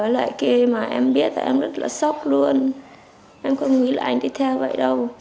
lại kia mà em biết là em rất là sốc luôn em không nghĩ là anh đi theo vậy đâu